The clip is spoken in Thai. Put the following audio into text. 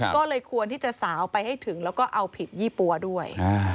ก็เลยควรที่จะสาวไปให้ถึงแล้วก็เอาผิดยี่ปั๊วด้วย